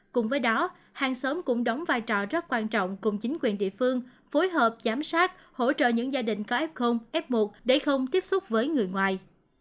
cùng với đó hàng xóm cũng đóng vai trò rất quan trọng cùng chính quyền địa phương phối hợp giám sát hỗ trợ những gia đình có f f một để không tiếp xúc với người ngoài